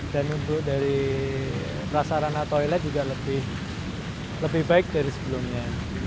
dan untuk dari perasaan rana toilet juga lebih baik dari sebelumnya